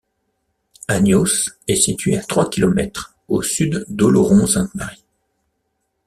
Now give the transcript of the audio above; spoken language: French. Agnos est située à trois kilomètres au sud d'Oloron-Sainte-Marie.